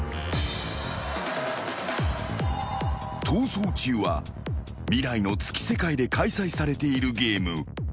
［『逃走中』は未来の月世界で開催されているゲーム］